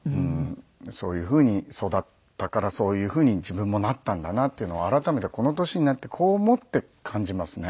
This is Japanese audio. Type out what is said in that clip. そういうふうに育ったからそういうふうに自分もなったんだなっていうのは改めてこの年になって子を持って感じますね。